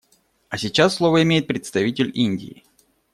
А сейчас слово имеет представитель Индии.